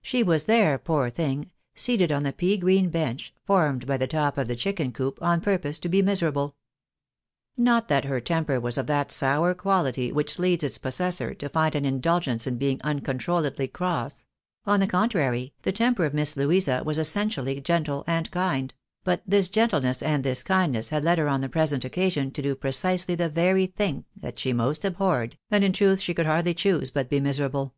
She was there, poor thing, seated on the pea green bench, formed by the top of the chicken coop, on purpose to be miserable. Not that her temper was of that sour quality which leads its possessor to find an indulgence in being uncontroUedly cross ; on the contrary, the temper of Miss Louisa was essentially gentle and kind ; but thia gentleness and this kindness had led her on the present occasion to do precisely the very thing that she most abhorred, and, in truth, she could hardly choose but be miserable.